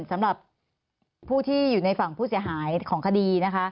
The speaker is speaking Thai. สำหรับผู้ที่อยู่ในฝั่งผู้เสียหายของคดีนะคะ